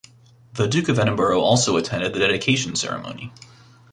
The Duke of Edinburgh also attended the dedication ceremony.